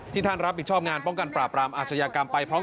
ที่ท่านรับผิดชอบงานป้องกันปลาปรามอจญากรรมไป